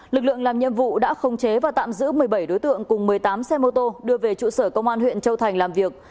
lực lượng làm nhiệm vụ đã khống chế và tạm giữ một mươi bảy đối tượng cùng một mươi tám xe mô tô đưa về trụ sở công an huyện châu thành làm việc